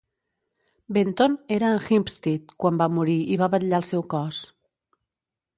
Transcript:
Benton era amb Hempstead quan va morir i va vetllar el seu cos.